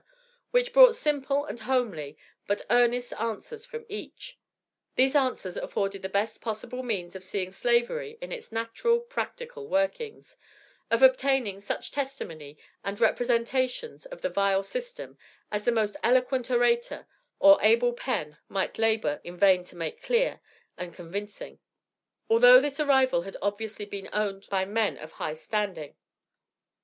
which brought simple and homely but earnest answers from each. These answers afforded the best possible means of seeing Slavery in its natural, practical workings of obtaining such testimony and representations of the vile system, as the most eloquent orator or able pen might labor in vain to make clear and convincing, although this arrival had obviously been owned by men of high standing.